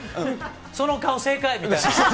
その顔、正解みたいな。